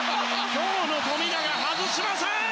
今日の富永、外しません！